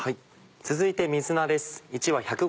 続いて水菜です。